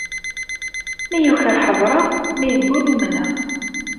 Mi yuker ḥedṛeɣ, mi yeggul umneɣ.